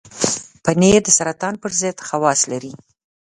پنېر د سرطان پر ضد خواص لري.